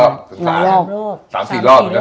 เดี๋ยวคลอยพริกดู